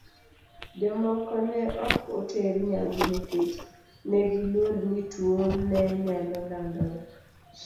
Jomoko ne ok oter nyangu nikech ne giluor ni tuwono ne nyalo landore.